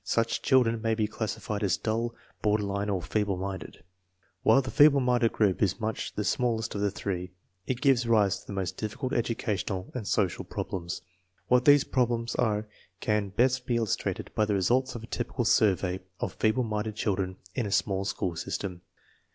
Such children may be classified as dull, border line, or feeble minded. While the feeble minded group is much the smallest of the three, it gives rise to the most difficult educational and social problems. What these problems are can best be il lustrated by the results of a typical survey of feeble minded children in a small school system.